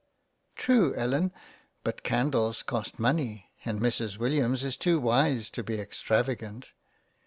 " True Ellen, but Candles cost money, and Mrs Williams is too wise to be extravagant."